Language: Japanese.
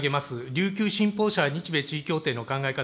琉球新報社、日米地位協定の考え方